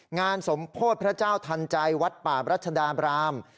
งานสมโพธิพระเจ้าทันใจวัดป่าบรัชดาบราม